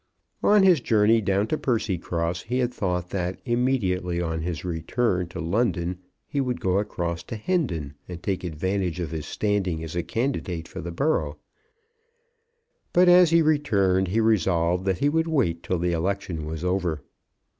On his journey down to Percycross he had thought that immediately on his return to London he would go across to Hendon, and take advantage of his standing as a candidate for the borough; but as he returned he resolved that he would wait till the election was over.